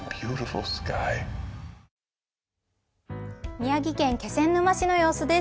宮城県気仙沼市の様子です。